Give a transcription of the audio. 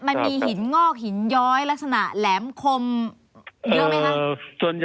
มันมีหินงอกหินย้อยลักษณะแหลมคมเยอะไหมคะ